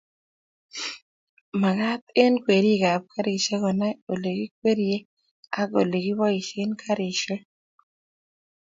magat eng kwerik ab karishek konai ole kikwerie ak ole kiboishe garishek